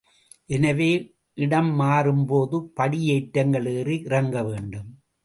எனவே இடம் மாறும்போது படி ஏற்றங்கள் ஏறி இறங்கவேண்டும்.